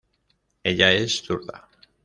Ella es zurda.